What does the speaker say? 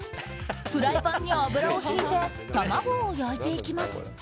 フライパンに油をひいて卵を焼いていきます。